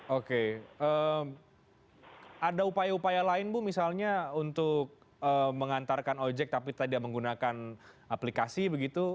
oke ada upaya upaya lain bu misalnya untuk mengantarkan ojek tapi tadi menggunakan aplikasi begitu